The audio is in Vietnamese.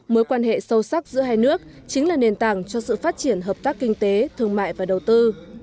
mối quan hệ sâu sắc giữa hai nước chính là nền tảng cho sự phát triển hợp tác kinh tế thương mại và đầu tư